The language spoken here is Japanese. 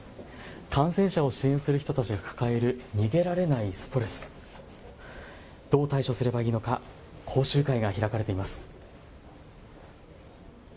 感染者を支援する人たちが抱える逃げられないストレス、どう対処すればいいのか講習会が開かれています。